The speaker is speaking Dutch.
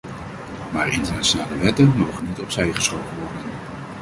Maar internationale wetten mogen niet opzijgeschoven worden.